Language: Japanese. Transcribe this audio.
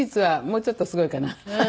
もうちょっとすごいね。